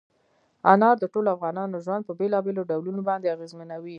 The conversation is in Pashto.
انار د ټولو افغانانو ژوند په بېلابېلو ډولونو باندې اغېزمنوي.